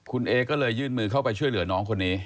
คุณเอก็เลยยื่นมือเข้าไปช่วยเหลือน้องคนนี้